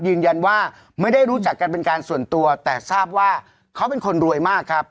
ยืนยันว่าไม่ได้รู้จักกันเป็นการส่วนตัวแต่ทราบว่าเขาเป็นคนรวยมากครับ